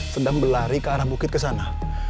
sedang berlari ke arah bukit kesana